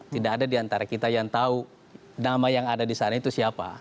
tidak ada di antara kita yang tahu nama yang ada di sana itu siapa